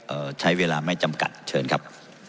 ใช้เวลาไม่จำกัดเชิญครับ